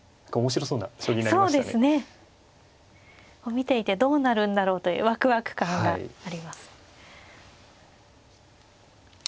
見ていてどうなるんだろうというわくわく感があります。